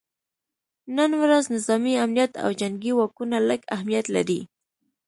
نن ورځ نظامي امنیت او جنګي واکونه لږ اهمیت لري